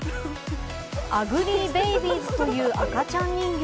アグリーベイビーズという赤ちゃん人形。